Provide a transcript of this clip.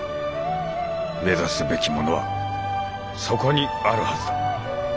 目指すべきものはそこにあるはずだ。